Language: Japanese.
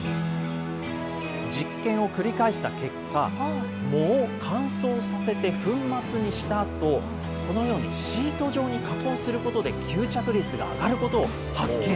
実験を繰り返した結果、藻を乾燥させて、粉末にしたあと、このようにシート状に加工することで吸藻から出来てる？